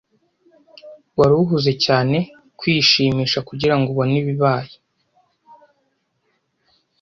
Wari uhuze cyane kwishimisha kugirango ubone ibibaye.